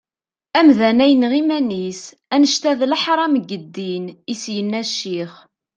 Amdan-a yenɣa iman-is, annect-a d leḥram deg ddin, i as-yenna ccix.